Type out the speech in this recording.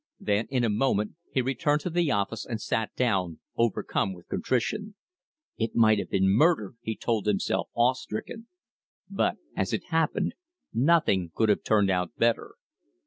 Then in a moment he returned to the office and sat down overcome with contrition. "It might have been murder!" he told himself, awe stricken. But, as it happened, nothing could have turned out better.